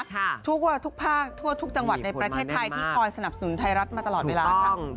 ทุกภาคทั่วทุกจังหวัดในประเทศไทยที่คอยสนับสนุนไทยรัฐมาตลอดเวลาค่ะ